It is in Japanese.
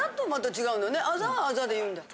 あざはあざで言うんだっけ？